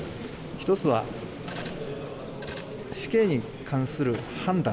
１つは、死刑に関する判断。